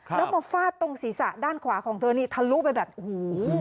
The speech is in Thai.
แล้วมาฟาดตรงศีรษะด้านขวาของเธอนี่ทะลุไปแบบโอ้โห